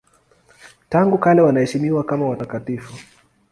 Tangu kale wanaheshimiwa kama watakatifu.